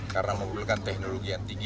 karena membutuhkan teknologi yang tinggi